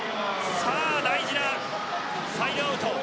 大事なサイドアウト。